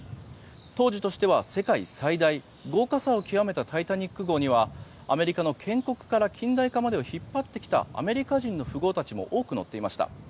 当時としては世界最大豪華さを極めた「タイタニック号」にはアメリカの建国から近代化までを引っ張ってきたアメリカ人の富豪たちも多く乗っていました。